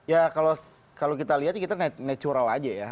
ya kalau kita lihat kita natural aja ya